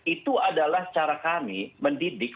itu adalah cara kami mendidik